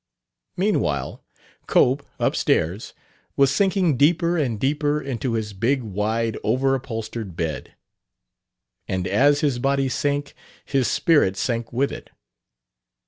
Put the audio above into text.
Meanwhile, Cope, up stairs, was sinking deeper and deeper into his big, wide, overupholstered bed. And as his body sank, his spirit sank with it.